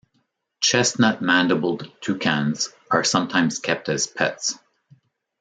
Chestnut-mandibled toucans are sometimes kept as pets.